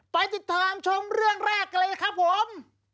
ไปติดตามชมเรื่องแรกกันเลยครับผม